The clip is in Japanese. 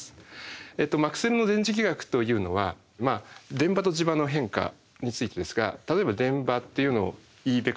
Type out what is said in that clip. マクスウェルの電磁気学というのは電場と磁場の変化についてですが例えば電場っていうのをＥベクトル。